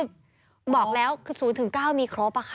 บอกแล้ว๐๙มีครบค่ะ